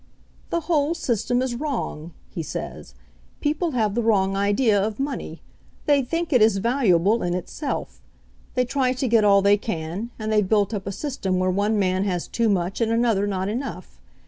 "The whole system is wrong," he says. "Peo ple have the wrong idea of money. They think it is valuable in itself. They try to get all they can, and they've built up a system where one man has too much and another not enough.